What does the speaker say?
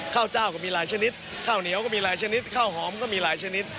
ข้าวเจ้าก็มีหลายชนิดข้าวเหนียวก็มีหลายชนิดข้าวหอมก็มีหลายชนิด